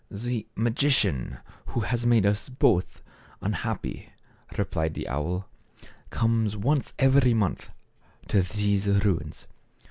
" The magician who has made us both un happy," replied the owl, "comes once every month to these ruins.